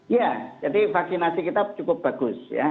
ya jadi vaksinasi kita cukup bagus ya